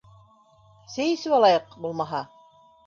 Сәй эсеп алайыҡ, булмаһа.